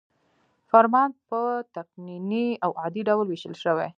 فرمان په تقنیني او عادي ډول ویشل شوی.